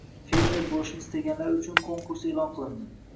«Fermer» bo‘lishni istaganlar uchun konkurs e’lon qilindi